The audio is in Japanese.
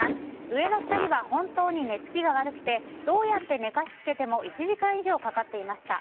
上の２人は本当に寝つきが悪くてどうやって寝かしつけても１時間以上かかっていました。